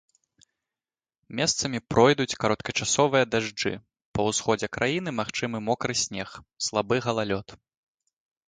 Месцамі пройдуць кароткачасовыя дажджы, па ўсходзе краіны магчымы мокры снег, слабы галалёд.